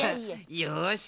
よし！